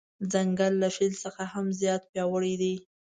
ځنګل له فیل څخه هم زیات پیاوړی دی.